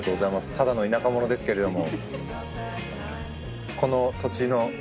ただの田舎者ですけれども。